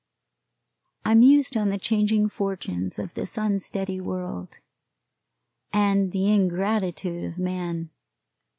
I mused on the changing fortunes of this unsteady world, and the ingratitude of man.